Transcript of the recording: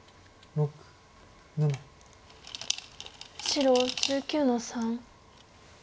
白１９の三。